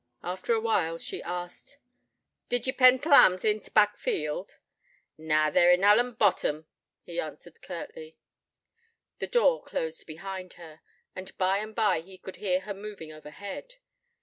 After a while she asked: 'Did ye pen t' lambs in t' back field?' 'Na, they're in Hullam bottom,' he answered curtly. The door closed behind her, and by and by he could hear her moving overhead.